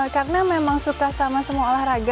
karena memang suka sama semua olahraga